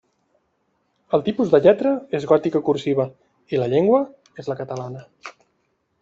El tipus de lletra és gòtica cursiva i la llengua és la catalana.